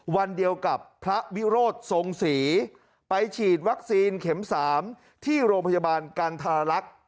วันเดียวกับพระวิโรธทรงศรีไปฉีดวัคซีนเข็ม๓ที่โรงพยาบาลกันธรรลักษณ์